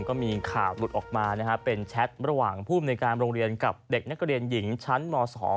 ก็มีข่าวหลุดออกมานะฮะเป็นแชทระหว่างภูมิในการโรงเรียนกับเด็กนักเรียนหญิงชั้นม๒